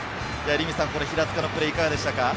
平塚のプレー、いかがでしたか？